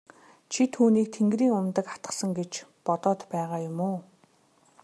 Чи түүнийг тэнгэрийн умдаг атгасан гэж бодоод байгаа юм уу?